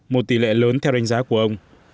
một tỷ lệ lớn theo đánh giá của ông